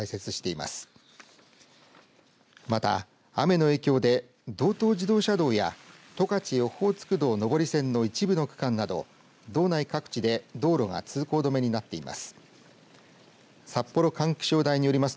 また、雨の影響で道東自動車道や十勝オホーツク道上り線の一部の区間など道内各地で道路が通行止めになっています。